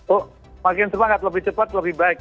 oh makin semangat lebih cepat lebih baik